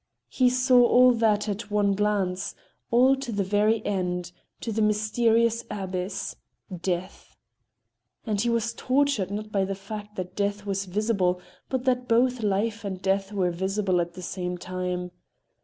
He saw all that at one glance, all to the very end, to the mysterious abyss—Death. And he was tortured not by the fact that Death was visible, but that both Life and Death were visible at the same time.